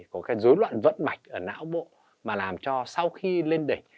có cái dối loạn vận mạch ở não bộ mà làm cho sau khi lên đỉnh